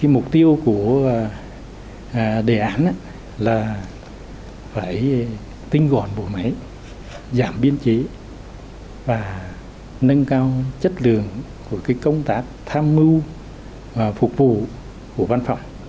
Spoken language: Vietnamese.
mục tiêu của đề án là phải tinh gọn bộ máy giảm biên chế và nâng cao chất lượng của công tác tham mưu phục vụ của văn phòng